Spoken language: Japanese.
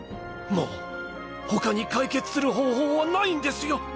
もう他に解決する方法はないんですよ。